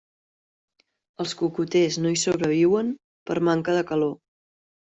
Els cocoters no hi sobreviuen per manca de calor.